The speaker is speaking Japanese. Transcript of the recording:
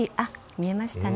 見えましたね。